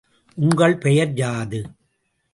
உங்கள் பெயர் யாது?